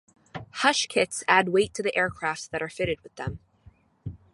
Hush kits add weight to aircraft that are fitted with them.